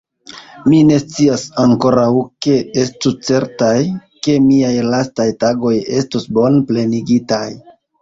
Mi ne scias ankoraŭ; sed estu certaj, ke miaj lastaj tagoj estos bone plenigitaj.